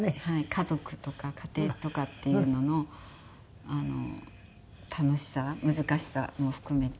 家族とか家庭とかっていうのの楽しさ難しさも含めて。